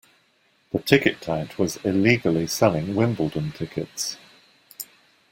The ticket tout was illegally selling Wimbledon tickets